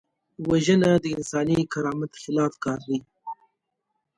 وژنه د انساني کرامت خلاف کار دی